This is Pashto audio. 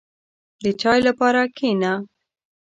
• د چای لپاره کښېنه.